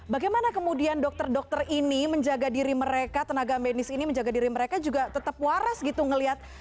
bagaimana kemudian dokter dokter ini menjaga diri mereka tenaga medis ini menjaga diri mereka juga tetap waras gitu ngelihat